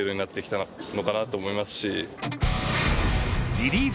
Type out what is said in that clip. リリーフ